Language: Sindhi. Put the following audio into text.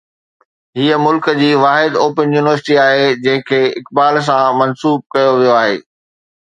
هيءَ ملڪ جي واحد اوپن يونيورسٽي آهي جنهن کي اقبال سان منسوب ڪيو ويو آهي.